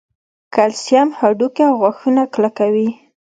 کلسیم هډوکي او غاښونه کلکوي